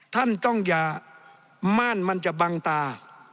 ท่านต้องอย่าม่านมันจะบังตา